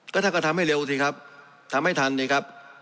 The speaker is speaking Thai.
ก็ท่านก็ทำให้เร็วสิครับทำให้ทันสิครับ